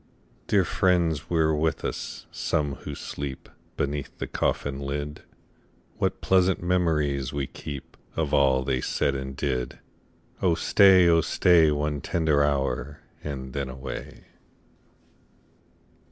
Dear friends were with us, some who sleep Beneath the coffin lid : What pleasant memories we keep Of all they said and did ! Oh stay, oh stay, One tender hour, and then away.